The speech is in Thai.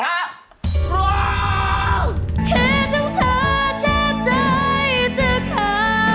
แค่ต้องเธอแทบใจจะขาด